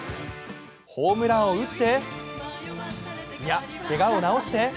ホームランを打って、いや、けがを治して。